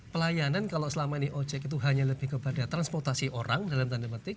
pelayanan kalau selama ini ojek itu hanya lebih kepada transportasi orang dalam tanda petik